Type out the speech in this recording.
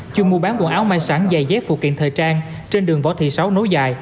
chung mua bán quần áo mai sẵn dài dép phụ kiện thời trang trên đường võ thị sáu nối dài